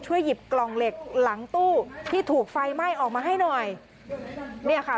หยิบกล่องเหล็กหลังตู้ที่ถูกไฟไหม้ออกมาให้หน่อยเนี่ยค่ะ